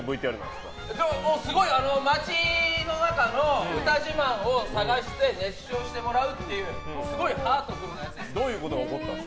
すごい街の中の歌自慢を探して熱唱してもらうっていうすごいハートフルなやつです。